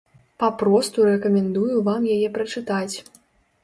Папросту рэкамендую вам яе прачытаць.